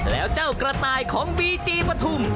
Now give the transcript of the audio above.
แล้วเจ้ากระต่ายของบีจีปฐุม